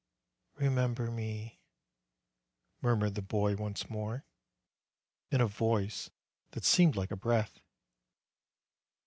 "Remember me," murmured the boy once more, in a voice that seemed like a breath.